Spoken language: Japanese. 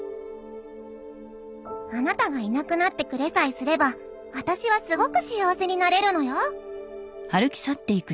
「あなたがいなくなってくれさえすれば私はすごく幸せになれるのよ！」。